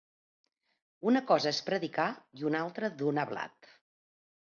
Una cosa és predicar i una altra donar blat.